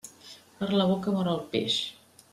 Per la boca mor el peix.